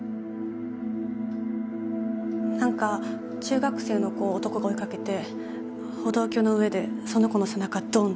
何か中学生の子を男が追いかけて歩道橋の上でその子の背中どん！